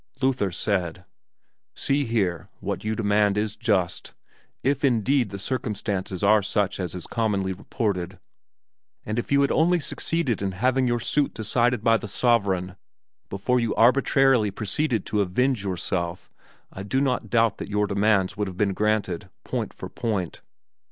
Luther said, "See here, what you demand is just, if indeed the circumstances are such as is commonly reported; and if you had only succeeded in having your suit decided by the sovereign before you arbitrarily proceeded to avenge yourself, I do not doubt that your demands would have been granted, point for point.